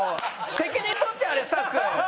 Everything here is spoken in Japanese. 責任取ってあれスタッフ。